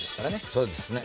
そうですね